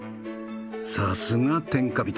さすが天下人！